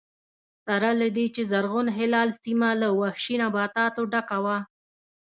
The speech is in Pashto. سره له دې چې زرغون هلال سیمه له وحشي نباتاتو ډکه وه